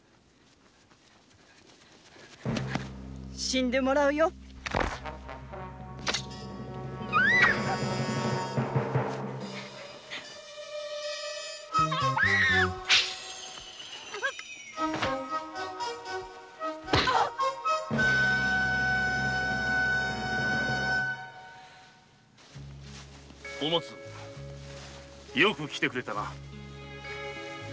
死んでもらうよお松よく来てくれたな。